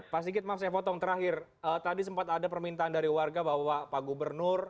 pak sigit maaf saya potong terakhir tadi sempat ada permintaan dari warga bahwa pak gubernur